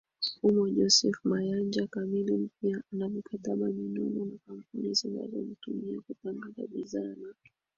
humo Jose Mayanja Chameleone pia ana mikataba minono na kampuni zinazomtumia kutangaza bidhaa na